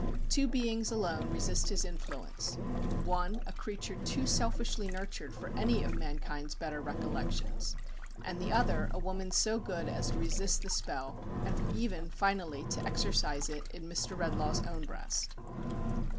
Two beings alone resist his influence one, a creature too selfishly nurtured for any of mankind's better recollections; and the other a woman so good as to resist the spell, and even, finally, to exorcise it in Mr. Redlaw's own breast.